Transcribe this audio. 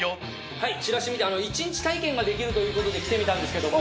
はいチラシ見て１日体験ができるという事で来てみたんですけども。